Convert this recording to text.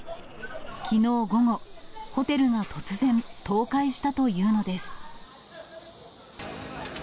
きのう午後、ホテルが突然、倒壊したというのです。